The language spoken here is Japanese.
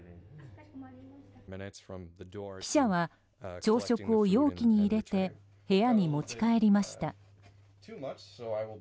記者は朝食を容器に入れて部屋に持ち帰りました。